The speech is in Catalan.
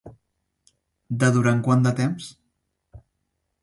De durant quant de temps?